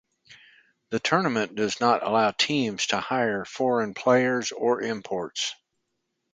The tournament does not allow teams to hire foreign players or imports.